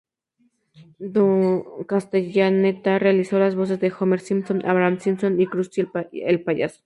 Dan Castellaneta realizó las voces de Homer Simpson, Abraham Simpson, y Krusty el payaso.